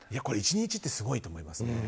１日ってすごいと思いますね。